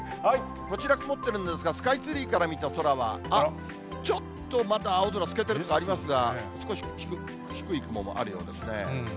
こちら、曇ってるんですが、スカイツリーから見た空は、ちょっとまだ青空透けてるとこありますが、少し低い雲もあるようですね。